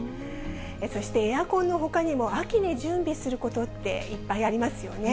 そしてエアコンのほかにも、秋に準備することっていっぱいありますよね。